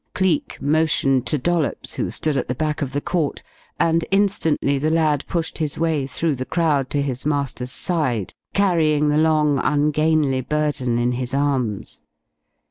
Cleek motioned to Dollops, who stood at the back of the court, and instantly the lad pushed his way through the crowd to his master's side, carrying the long, ungainly burden in his arms.